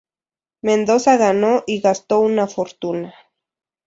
Mendoza ganó y gastó una fortuna.